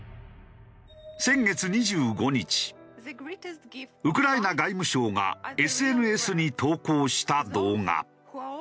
先月２５日ウクライナ外務省がＳＮＳに投稿した動画。